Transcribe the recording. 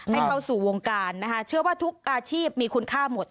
ให้เข้าสู่วงการนะคะเชื่อว่าทุกอาชีพมีคุณค่าหมด